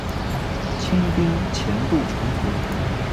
清兵潜渡城河。